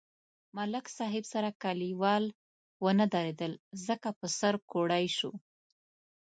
ملک صاحب سره کلیوال و نه درېدل ځکه په سر کوړئ شو.